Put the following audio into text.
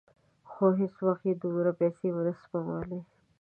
خو هېڅ وخت یې دومره پیسې ونه سپمولې.